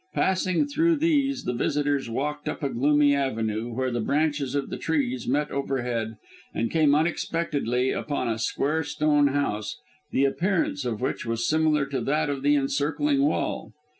Passing through these the visitors walked up a gloomy avenue, where the branches of the trees met overhead, and came unexpectedly upon a square stone house, the appearance of which was similar to that of the encircling wall.